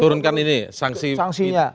turunkan ini sanksinya